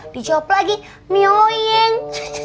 dijawab lagi mioyeng